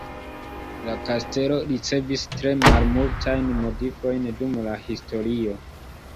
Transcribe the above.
La kastelo ricevis tre malmultajn modifojn dum la historio.